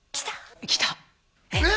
えっ？